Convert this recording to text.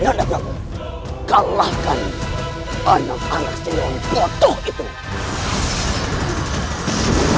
nanda kau kalahkan anak anak si orang botoh itu